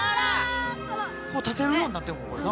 こう立てるようになってんのこれな。